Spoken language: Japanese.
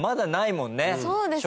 そうですね。